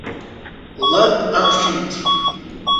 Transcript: Лад ақәҿимҭит.